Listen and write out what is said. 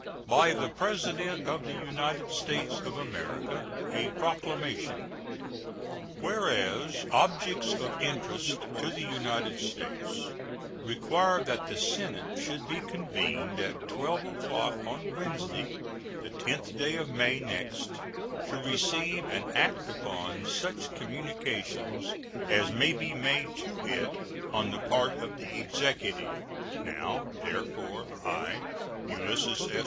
BY THE PRESIDENT OF THE UNITED STATES OF AMERICA. A PROCLAMATION. Whereas objects of interest to the United States require that the Senate should be convened at 12 o'clock on Wednesday, the 10th day of May next, to receive and act upon such communications as may be made to it on the part of the Executive: Now, therefore, I, Ulysses S.